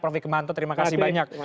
prof hikmanto terima kasih banyak